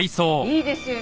いいですよ